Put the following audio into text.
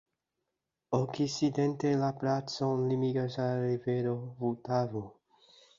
Okcidente la placon limigas la rivero Vultavo.